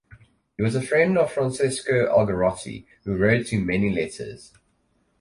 He was a friend of Francesco Algarotti, who wrote him many letters.